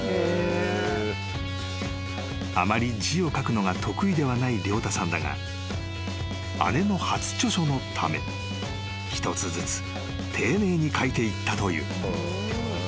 ［あまり字を書くのが得意ではない良太さんだが姉の初著書のため一つずつ丁寧に書いていったという］